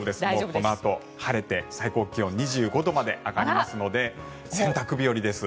このあと晴れて、最高気温２５度まで上がりますので洗濯日和です。